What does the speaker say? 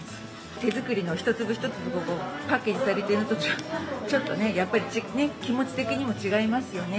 手作りの一粒一粒、パッケージされているのは、ちょっとね、やっぱりね、気持ち的にも違いますよね。